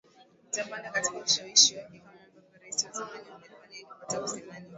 itapanda katika ushawishi wake Kama ambavyo Rais wa zamani wa Marekani alipata kusemani uchumi